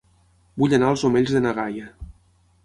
Vull anar a Els Omells de na Gaia